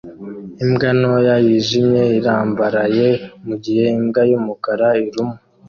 Imbwa ntoya yijimye irambaraye mugihe imbwa yumukara iruma